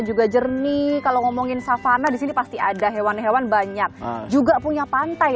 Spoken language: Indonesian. juga jernih kalau ngomongin savana disini pasti ada hewan hewan banyak juga punya pantai